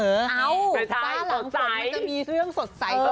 ฟ้าหลังฝนมันจะมีเรื่องสดใส